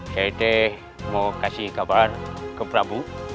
het mau kasih kabar ke prabu